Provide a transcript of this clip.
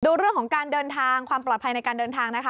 ดูเรื่องของการเดินทางความปลอดภัยในการเดินทางนะคะ